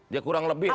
ya kurang lebih lah